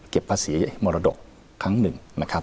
ภาษีมรดกครั้งหนึ่งนะครับ